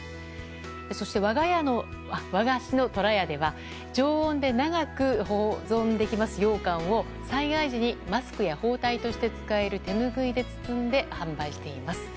そして、和菓子のとらやでは常温で長く保存できますようかんを災害時にマスクや包帯として使える手拭いで包んで販売しています。